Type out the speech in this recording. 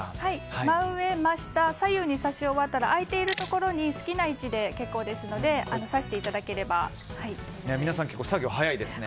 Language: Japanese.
真上、真下、左右に挿し終わったら空いているところに好きな位置で結構ですので皆さん作業早いですね。